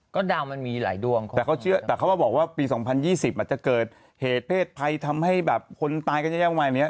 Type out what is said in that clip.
ก็ดาวมันมีหลายดวงแต่เขาเชื่อแต่เขาบอกว่าปีสองพันยี่สิบมันจะเกิดเหตุเพศภัยทำให้แบบคนตายกันยังไง